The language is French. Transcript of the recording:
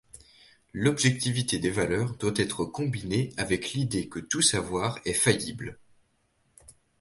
L'objectivité des valeurs doit être combinée avec l'idée que tout savoir est faillible.